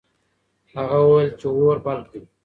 هغه وویل چې اور بل کړه.